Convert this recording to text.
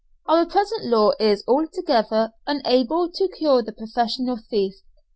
Our present law is altogether unable to cure the professional thief.